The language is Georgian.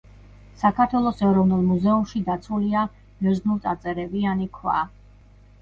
საქართველოს ეროვნულ მუზეუმში დაცულია ბერძნულწარწერებიანი ქვა.